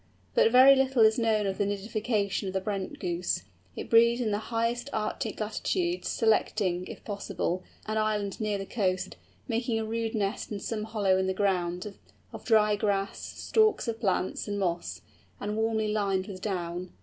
But very little is known of the nidification of the Brent Goose. It breeds in the highest Arctic latitudes, selecting, if possible, an island near the coast, making a rude nest in some hollow in the ground, of dry grass, stalks of plants, and moss, and warmly lined with down.